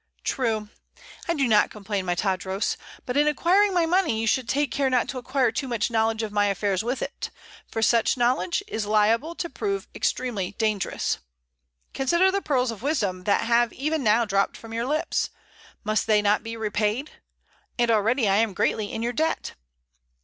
"True. I do not complain, my Tadros. But in acquiring my money you should take care not to acquire too much knowledge of my affairs with it, for such knowledge is liable to prove extremely dangerous. Consider the pearls of wisdom that have even now dropped from your lips. Must they not be repaid? And already I am greatly in your debt."